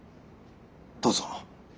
どうぞ。